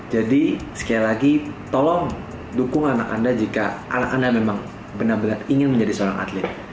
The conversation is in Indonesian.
jadi sekali lagi tolong dukung anak anda jika anak anda memang benar benar ingin menjadi seorang atlet